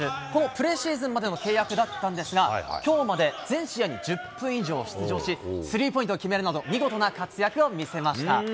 プレシーズンまでの契約だったんですが、きょうまで全試合に１０分以上出場し、スリーポイントを決めるなど見事な活躍を見せました。